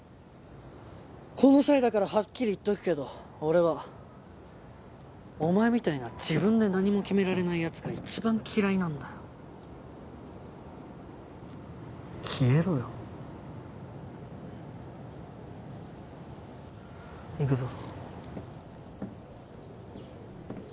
この際だからはっきり言っとくけど俺はお前みたいな自分で何も決められない奴が一番嫌いなんだよ。消えろよ。行くぞ。